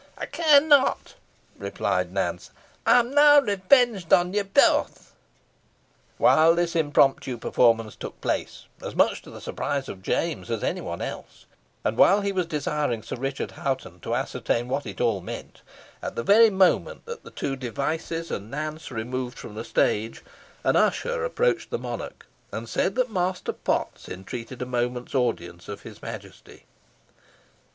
"Ey care not," replied Nance. "Ey am now revenged on you both." While this impromptu performance took place, as much to the surprise of James as of any one else, and while he was desiring Sir Richard Hoghton to ascertain what it all meant at the very moment that the two Devices and Nance removed from the stage, an usher approached the monarch, and said that Master Potts entreated a moment's audience of his majesty.